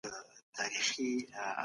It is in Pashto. پناه ورکول د انسانیت نښه ده.